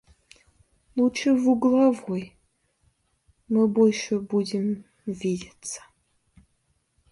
Лучше в угловой, мы больше будем видеться.